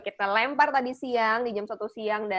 kita lempar tadi siang di jam satu siang